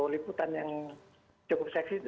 liputan yang cukup seksi